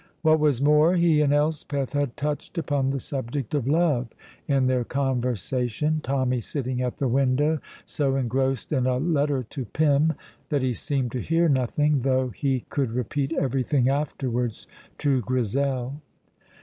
What was more, he and Elspeth had touched upon the subject of love in their conversation, Tommy sitting at the window so engrossed in a letter to Pym that he seemed to hear nothing, though he could repeat everything afterwards to Grizel.